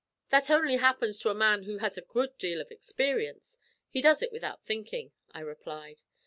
"That only happens to a man who has had a good deal of experience; he does it without thinking," I replied.